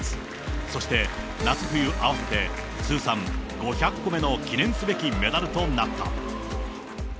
そして、夏冬合わせて通算５００個目の記念すべきメダルとなった。